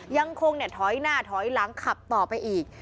ยังคงเนี่ยถอยหน้าถอยล้างขับต่อไปอีก